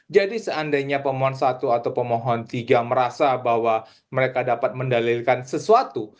seandainya pemohon satu atau pemohon tiga merasa bahwa mereka dapat mendalilkan sesuatu